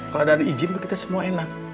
kalau ada izin kita semua enak